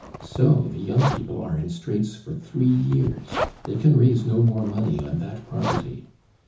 So the young people are in straits for three years; they can raise no more money on that property.